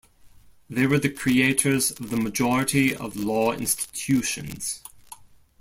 They were the creators of the majority of law institutions.